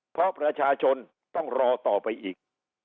เพราะประชาชนต้องรอต่อไปอีก